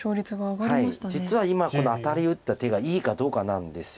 実は今このアタリ打った手がいいかどうかなんです。